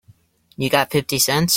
You got fifty cents?